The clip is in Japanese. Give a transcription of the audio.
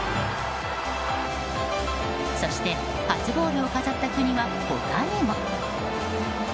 そして、初ゴールを飾った国は他にも。